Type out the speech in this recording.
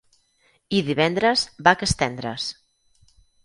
I divendres, vaques tendres.